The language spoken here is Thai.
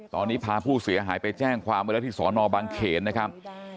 ตอนนี้พาผู้เสียหายไปแจ้งความไว้แล้วที่สอนอบางเขนนะครับ